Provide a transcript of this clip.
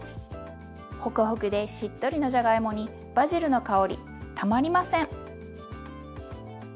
ほくほくでしっとりのじゃがいもにバジルの香りたまりません！